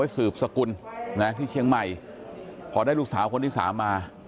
สืบสกุลนะที่เชียงใหม่พอได้ลูกสาวคนที่สามมา